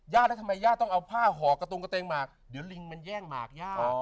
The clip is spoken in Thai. แล้วทำไมย่าต้องเอาผ้าห่อกระตุงกระเตงหมากเดี๋ยวลิงมันแย่งหมากย่า